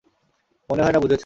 মনে হয় না বুঝেছ।